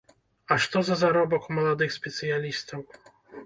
А што за заробак у маладых спецыялістаў!